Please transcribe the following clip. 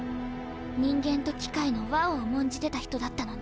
人間と機械の和を重んじてた人だったのに。